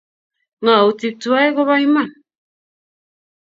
Ngautik tuwai ko ba iman